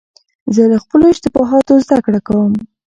زه له خپلو اشتباهاتو زدهکړه کوم.